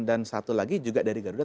satu lagi juga dari garuda